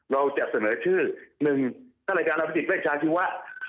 เราจะเสนอชื่อ๑ท่านรายการอภิษฎเวชาชีวะ